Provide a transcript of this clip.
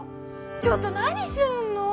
ちょっと何すんの？